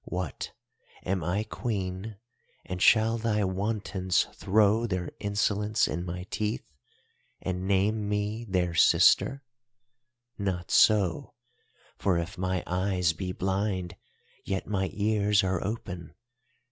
What, am I Queen, and shall thy wantons throw their insolence in my teeth and name me their sister? Not so, for if my eyes be blind yet my ears are open.